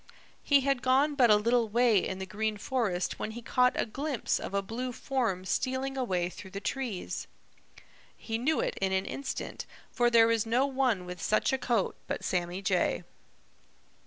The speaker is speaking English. He had gone but a little way in the Green Forest when he caught a glimpse of a blue form stealing away through the trees. He knew it in an instant, for there is no one with such a coat but Sammy Jay.